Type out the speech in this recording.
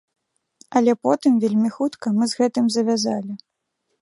Але потым, вельмі хутка, мы з гэтым завязалі.